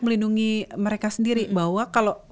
melindungi mereka sendiri bahwa kalau